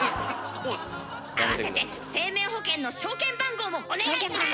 あわせて生命保険の証券番号もお願いします！